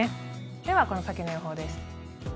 では、この先の予報です。